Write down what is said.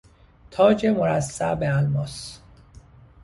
تاج مرصع به الماس